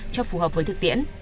cho phù hợp với thực tiễn